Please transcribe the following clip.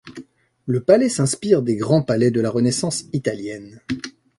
Le palais s'inspire des grands palais de la Renaissance italienne.